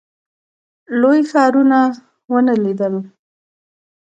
لوی ښارونه ونه لیدل.